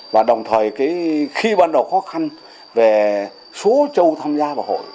và đồng thời khi ban đầu khó khăn về số châu tham gia vào hội